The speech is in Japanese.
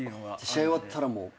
試合終わったらもうボーン！